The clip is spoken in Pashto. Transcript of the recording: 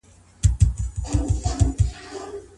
زموږ بې پروايي د کورنۍ لپاره نه جبرانېدونکي زيانونه لري.